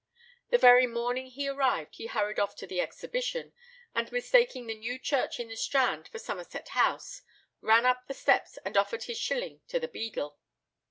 The very morning he arrived he hurried off to the Exhibition, and mistaking the new church in the Strand for Somerset House, ran up the steps and offered his shilling to a beadle.